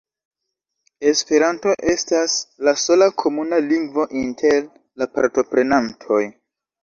Esperanto estas la sola komuna lingvo inter la partoprenantoj.